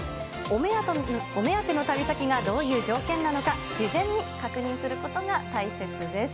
お目当ての旅先がどういう条件なのか、事前に確認することが大切です。